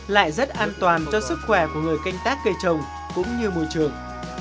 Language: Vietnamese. lại rất an toàn cho sức khỏe của người canh tác cây trồng cũng như môi trường